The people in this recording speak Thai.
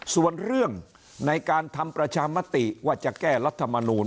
ส่วนเรื่องในการทำประชามติว่าจะแก้รัฐมนูล